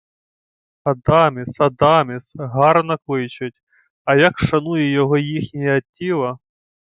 — Адаміс... Адаміс... Гарно кличуть. А як шанує його їхній Аттіла?